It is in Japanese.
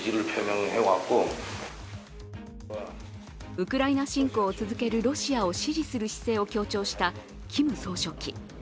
ウクライナ侵攻を続けるロシアを支持する姿勢を強調したキム総書記。